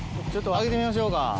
上げてみましょうか。